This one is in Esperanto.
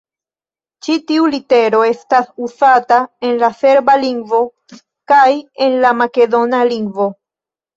Ĉi tiu litero estas uzata en la serba lingvo kaj en la makedona lingvo.